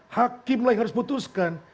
hakim lah yang harus putuskan